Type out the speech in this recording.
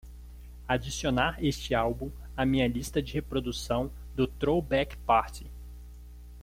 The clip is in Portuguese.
adicionar este álbum à minha lista de reprodução do Throwback Party